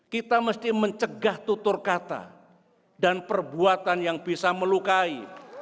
kita mesti mencegah tutur kata dan perbuatan yang bisa melukai